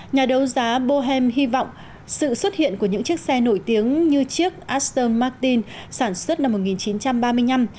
nhà đấu giá bohem hy vọng sự xuất hiện của những chiếc xe nổi tiếng như chiếc aster martin sản xuất năm một nghìn chín trăm ba mươi năm